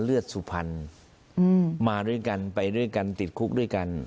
เลือดสุพรรณมาด้วยกันไปด้วยกันติดคุกด้วยกัน